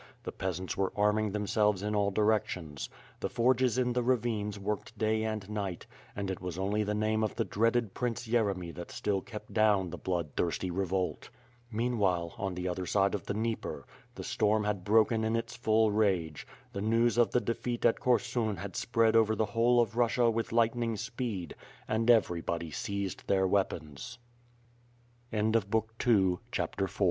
The peas ants were arming themselves in all directions. The forges in the ravines worked day and night, and it was only the name of the dreaded Prince Yeremy that still kept down the blood thirsty revolt. Meanwhile, on the other side of the Dnieper, the storm had broken in its full rage; the news of the defeat at Korsun had spread over the whole of Russia with light